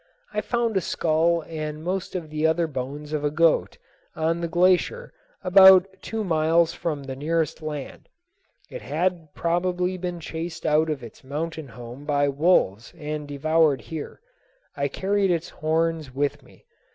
I found a skull and most of the other bones of a goat on the glacier about two miles from the nearest land. It had probably been chased out of its mountain home by wolves and devoured here. I carried its horns with me.